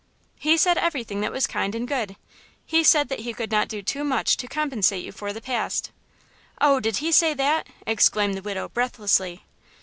"He said everything that was kind and good. He said that he could not do too much to compensate you for the past." "Oh, did he say that?" exclaimed the widow, breathlessly.